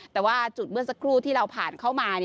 แต่ว่าจุดเมื่อสักครู่ที่เราผ่านเข้ามา